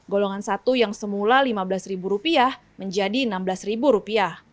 golongan satu yang semula rp lima belas menjadi rp enam belas